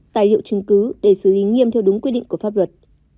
tài liệu chứng cứ để xử lý nghiêm theo đúng quy định của pháp luật